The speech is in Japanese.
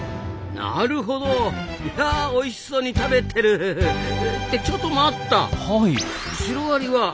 なるほどおいしそうに食べてる！ってちょっと待った！